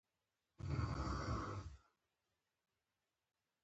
احمد په دوکاندارۍ کې دوه برابره ګټه کوي، خپله روزي په خپلو لاسونو حراموي.